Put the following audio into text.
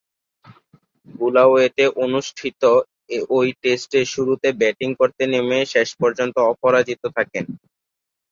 বুলাওয়েতে অনুষ্ঠিত ঐ টেস্টে শুরুতে ব্যাটিং করতে নেমে শেষ পর্যন্ত অপরাজিত থাকেন।